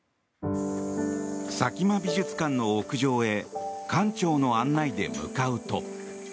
佐喜眞美術館の屋上へ館長の案内で向かうと。